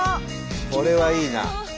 これはいいな。